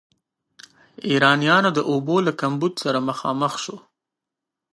ایرانیانو د اوبو له کمبود سره مخامخ شو.